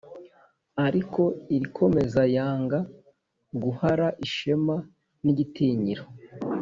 Ariko irikomeza yanga guhara ishema n'igitinyiro